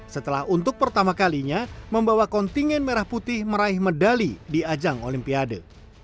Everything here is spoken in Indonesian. setelah untuk pertama kalinya membawa kontingen merah putih meraih medali di ajang olimpiade